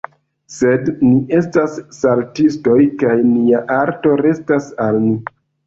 Sed ni estas saltistoj kaj nia arto restos al ni.